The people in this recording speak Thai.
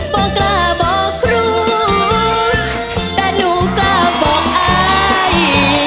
บอกกล้าบอกครูแต่หนูกล้าบอกอาย